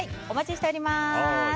お待ちしております。